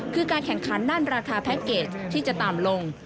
คือการแข่งขันด้านราคาแพ็คเกจที่จะต่ำลง